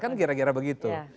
kan kira kira begitu